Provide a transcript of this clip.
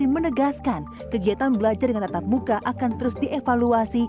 menegaskan kegiatan belajar dengan tetap muka akan terus dievaluasi